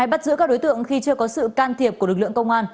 và sự can thiệp của lực lượng công an